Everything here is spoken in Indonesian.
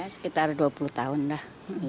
sekitar dua puluh tahun lah